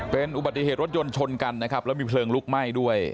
เป็นอุบัติเหตุรถยนต์ชนกันนะครับแล้วมีเพลิงลุกไหม้ด้วย